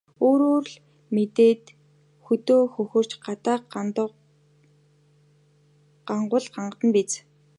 Өөрөө л мэдээд хөдөө хөхөрч, гадаа гандвал гандана л биз.